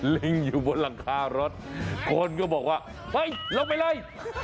ลิงอยู่บนหลังคารถคนก็บอกว่าเฮ้ยลงไปไล่